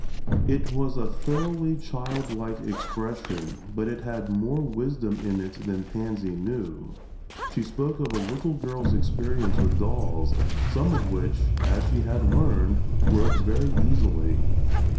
It was a thoroughly childlike expression, but it had more wisdom in it than Pansy knew. She spoke of a little girl's experience with dolls, some of which, as she had learned, broke very easily.